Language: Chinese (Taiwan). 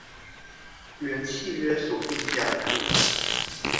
原契約所定價格